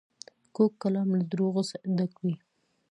کوږ کلام له دروغو ډک وي